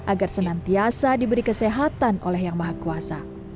agar senantiasa diberi kesehatan oleh yang maha kuasa